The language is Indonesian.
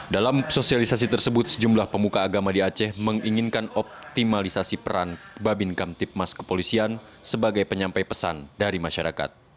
dalam sosialisasi tersebut sejumlah pemuka agama di aceh menginginkan optimalisasi peran babin kamtipmas kepolisian sebagai penyampai pesan dari masyarakat